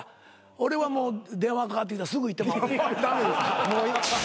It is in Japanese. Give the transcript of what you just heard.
俺は電話かかってきたらすぐ行ってまうねん。